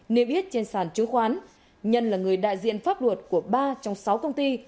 niêm yết trên sàn chứng khoán nhân là người đại diện pháp luật của ba trong sáu công ty